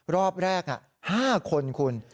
รอบแรก๕คนคุณ